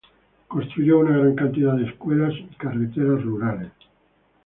Construyó una gran cantidad de escuelas y carreteras rurales.